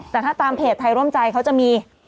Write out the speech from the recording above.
แต่ถ้าตามเพจไทยร่วมใจเขาจะมี